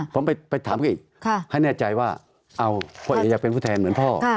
ผมไปถามเขาอีกให้แน่ใจว่าเอาพ่อเอกอยากเป็นผู้แทนเหมือนพ่อ